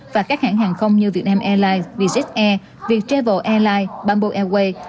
và các hãng hàng không như việt nam airlines vz air viettravel airlines bamboo airways